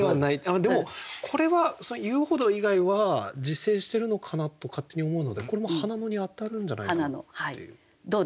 あっでもこれは遊歩道以外は自生してるのかなと勝手に思うのでこれも「花野」にあたるんじゃないかなっていう。